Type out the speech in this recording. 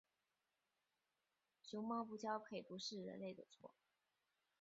熊猫不交配不是人类的错。